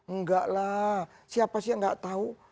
enggak lah siapa sih yang gak tahu